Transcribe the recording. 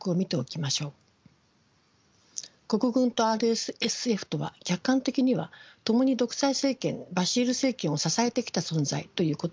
国軍とＲＳＦとは客観的にはともに独裁政権バシール政権を支えてきた存在ということができます。